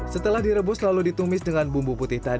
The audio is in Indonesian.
setelah direbus lalu ditumis dengan bumbu putih